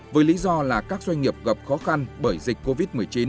với lý do là các doanh nghiệp gặp khó khăn bởi dịch covid một mươi chín